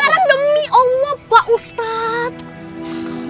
sekarang demi allah pak ustadz